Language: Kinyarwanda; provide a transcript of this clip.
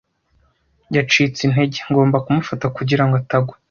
Yacitse intege, ngomba kumufata kugira ngo atagwa.